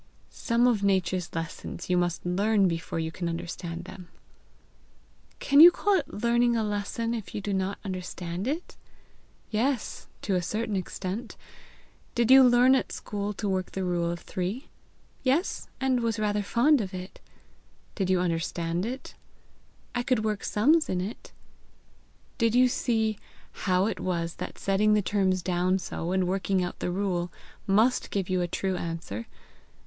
"Some of Nature's lessons you must learn before you can understand them." "Can you call it learning a lesson if you do not understand it?" "Yes to a certain extent. Did you learn at school to work the rule of three?" "Yes; and I was rather fond of it." "Did you understand it?" "I could work sums in it." "Did you see how it was that setting the terms down so, and working out the rule, must give you a true answer.